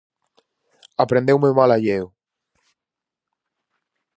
Aprendeume o mal alleo: